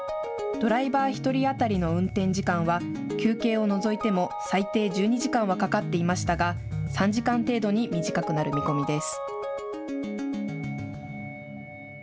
ドライバー１人当たりの運転時間は、休憩を除いても最低１２時間はかかっていましたが、３時間程度に短くなる見込みです。